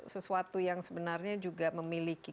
sesuatu yang sebenarnya juga memiliki